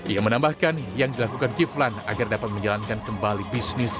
ia menambahkan yang dilakukan kiflan agar dapat menjalankan kembali bisnis